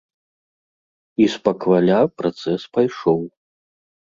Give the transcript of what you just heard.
І спакваля працэс пайшоў.